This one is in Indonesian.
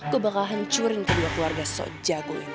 gw bakal hancurin kedua keluarga sok jago ini